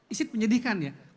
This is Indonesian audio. isi penyedihkan ya